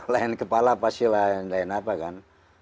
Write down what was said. lain kepala pasti lain apa kan